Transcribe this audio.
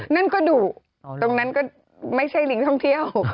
นั่นก็ดุตรงนั้นก็ไม่ใช่ลิงท่องเที่ยว